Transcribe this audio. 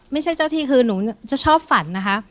ไม่ใช่เจ้าที่คือหนูจะชอบฝันนะคะ